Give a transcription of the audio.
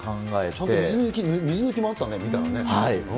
ちゃんと水抜きもあったね、見たらね。